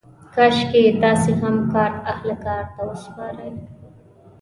کاشکې تاسې هم کار اهل کار ته وسپارئ.